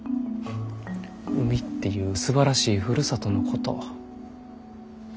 海っていうすばらしいふるさとのこと。